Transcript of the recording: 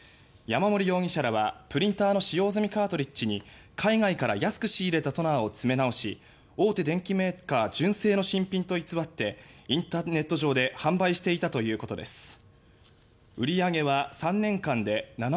山森容疑者らは、プリンターの使用済みカートリッジに海外から安く仕入れたトナーを詰め直し大手電機メーカー純正の新品と偽ってインターネット上で販売していたということです。